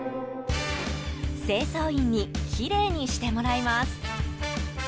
清掃員にきれいにしてもらいます。